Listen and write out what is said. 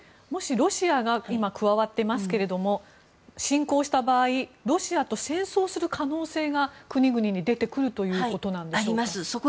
もしロシアが今、加わっていますけれど侵攻した場合ロシアと戦争する可能性が国々に出てくるということなんでしょうか。